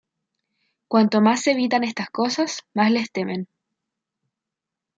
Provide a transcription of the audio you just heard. Cuanto más evitan estas cosas, más les temen.